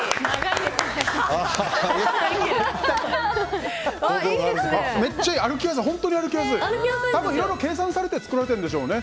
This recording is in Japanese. いろいろ計算されて作られているんでしょうね。